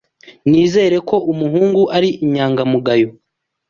Nizera ko umuhungu ari inyangamugayo.